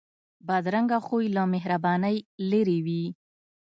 بدرنګه خوی له مهربانۍ لرې وي